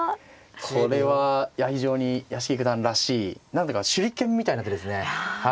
これは非常に屋敷九段らしい何ていうか手裏剣みたいな手ですね。